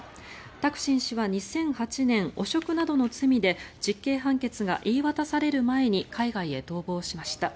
タクシン氏は２００８年汚職などの罪で実刑判決が言い渡される前に海外へ逃亡しました。